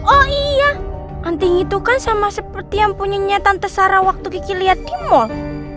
oh iya anting itu kan sama seperti yang punya nyetan tante sarah waktu kiki liat di mall